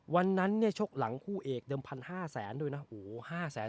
วันนั้นเนี่ยชกหลังคู่เอกเดิมพัน๕แสนด้วยนะโอ้โห